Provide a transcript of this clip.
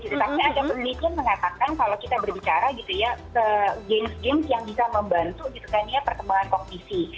tapi ada penelitian mengatakan kalau kita berbicara gitu ya games games yang bisa membantu gitu kan ya pertumbuhan kognisi